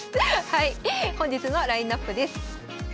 はい本日のラインナップです。